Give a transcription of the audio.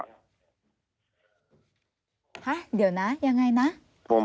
ฮะเดี๋ยวนะยังไงนะ